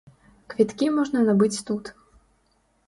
Квіткі можна набыць тут.